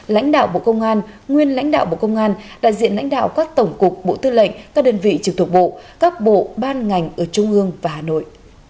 lãnh đạo bộ công an nguyên lãnh đạo bộ công an đại diện lãnh đạo các tổng cục bộ tư lệnh các đơn vị trực thuộc bộ các bộ ban ngành ở trung ương và hà nội